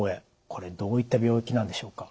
これどういった病気なんでしょうか？